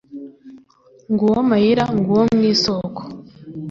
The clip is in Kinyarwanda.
nguwo mu mayira, nguwo mu isoko